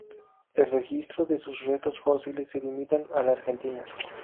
El registro de sus restos fósiles se limita a la Argentina.